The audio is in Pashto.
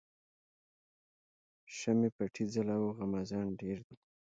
شمعی پټي ځلوه غمازان ډیر دي